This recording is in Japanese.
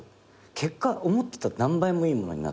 結果思ってた何倍もいいものになったり。